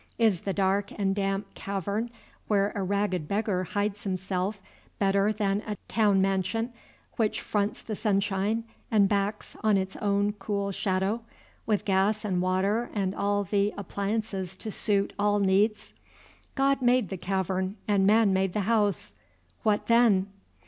Is the dark and damp cavern where a ragged beggar hides himself better than a town mansion which fronts the sunshine and backs on its own cool shadow, with gas and water and all appliances to suit all needs? God made the cavern and man made the house! What then?